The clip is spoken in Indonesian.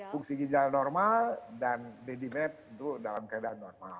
fungsi ginjal normal dan dedy mat itu dalam keadaan normal